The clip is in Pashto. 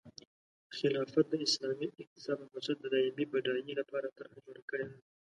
خلافت د اسلامي اقتصاد په بنسټ د دایمي بډایۍ لپاره طرحه جوړه کړې ده.